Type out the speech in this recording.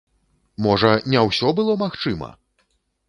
Можа, не ўсё было магчыма!